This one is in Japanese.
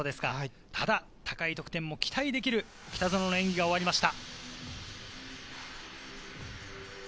ただ高い得点も期待できる北園の演技が終わりました。